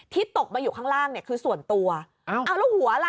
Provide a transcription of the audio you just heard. ตกมาอยู่ข้างล่างเนี่ยคือส่วนตัวเอาแล้วหัวล่ะ